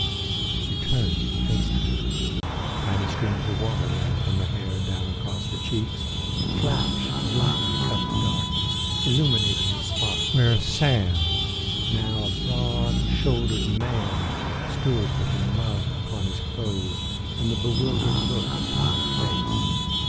She turned and faced him. Tiny streams of water ran from her hair down across her cheeks. A flash of lightning cut the darkness, illuminating the spot where Sam, now a broad shouldered man, stood with the mud upon his clothes and the bewildered look upon his face.